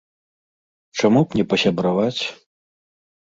Чаму б не пасябраваць?